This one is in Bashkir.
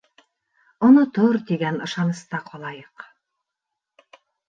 Онотор, тигән ышаныста ҡалайыҡ.